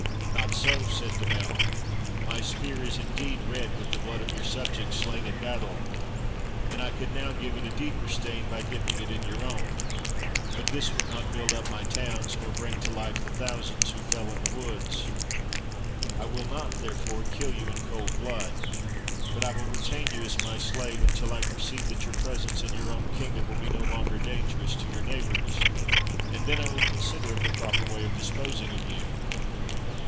"Not so," said Damel; "my spear is indeed red with the blood of your subjects slain in battle, and I could now give it a 376 A ZEALOUS MISSIONARY deeper stain by dipping it in your own, but this would not build up my towns, nor bring to life the thousands who fell in the woods. I will not therefore kill you in cold blood, but I will retain you as my slave, until I perceive that your presence in your own kingdom will be no longer dangerous to your neighbors; and then I will consider of the proper way of disposing of you."